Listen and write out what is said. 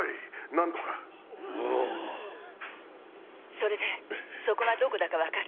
それでそこがどこだかわかる？